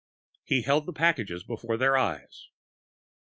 He held the packages before their eyes.